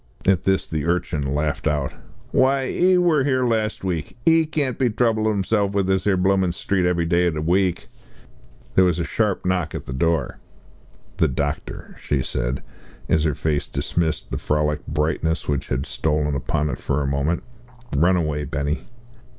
At this the urchin laughed out. "Why, 'e wor here last week! Ee can't be troublin' 'isself about this 'ere bloomin' street _ev_ery day in the week." There was a sharp knock at the door. "The doctor," she said, as her face dismissed the frolic brightness which had stolen upon it for a moment. "Run away, Benny."